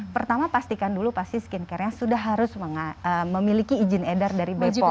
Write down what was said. pertama pastikan dulu skin care nya sudah harus memiliki izin edar dari bpom